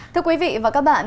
thưa quý vị và các bạn